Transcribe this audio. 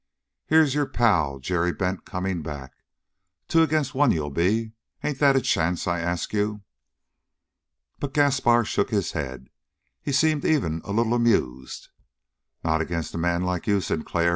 "Here's your pal, Jerry Bent, coming back. Two agin' one, you'll be. Ain't that a chance, I ask you?" But Gaspar shook his head. He seemed even a little amused. "Not against a man like you, Sinclair.